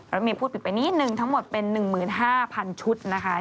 เมย์พูดผิดไปนิดนึงทั้งหมดเป็น๑๕๐๐๐ชุดนะคะ